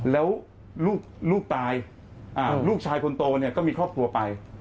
แล้วลูกตายลูกชายคนโตเนี่ยก็มีครอบครัวไป